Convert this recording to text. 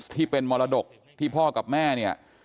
ที่เป็นมรดกที่พ่อกับแม่เนี่ย